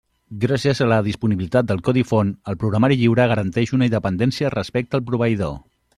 Gràcies a la disponibilitat del codi font, el programari lliure garanteix una independència respecte al proveïdor.